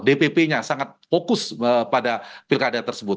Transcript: dpp nya sangat fokus pada pilkada tersebut